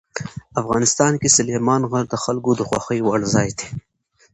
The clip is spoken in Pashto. افغانستان کې سلیمان غر د خلکو د خوښې وړ ځای دی.